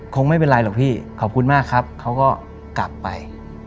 คงไม่เป็นไรหรอกพี่ขอบคุณมากครับเขาก็กลับไป